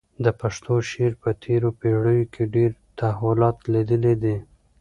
د پښتو شعر په تېرو پېړیو کې ډېر تحولات لیدلي دي.